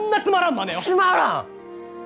つまらん！？